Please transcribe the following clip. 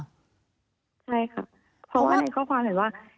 ใช่ค่ะเพราะว่าในข้อความเห็นว่า